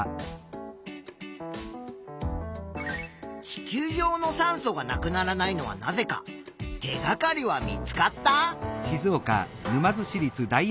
地球上の酸素がなくならないのはなぜか手がかりは見つかった？